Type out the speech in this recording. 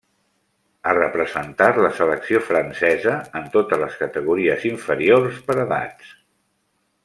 Ha representat la selecció francesa en totes les categories inferiors per edats.